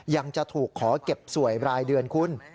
ยังจะถูกขอเก็บสวยรายเดือนคุณ